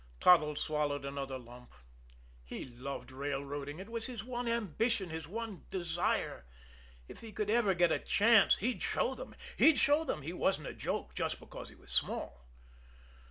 Toddles swallowed another lump. He loved railroading; it was his one ambition, his one desire. If he could ever get a chance, he'd show them! He'd show them that he wasn't a joke, just because he was small!